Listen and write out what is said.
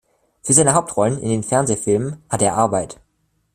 Für seine Hauptrollen in den Fernsehfilmen "Hat er Arbeit?